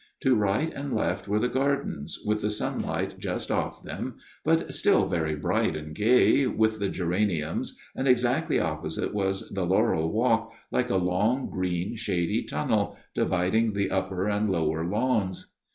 To right and left were the gardens, with the sunlight just off them, but still very bright and gay, with the geraniums, and exactly opposite was the laurel walk, like a long green shady tunnel, dividing the upper and lower lawns.